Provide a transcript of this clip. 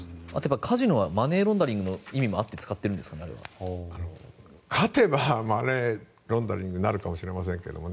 カジノはマネーロンダリングの意味もあって勝てばマネーロンダリングになるかもしれませんがね。